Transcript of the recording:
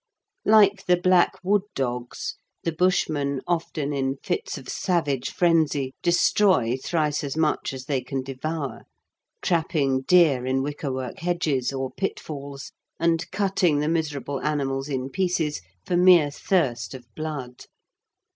Like the black wood dogs, the Bushmen often in fits of savage frenzy destroy thrice as much as they can devour, trapping deer in wickerwork hedges, or pitfalls, and cutting the miserable animals in pieces, for mere thirst of blood.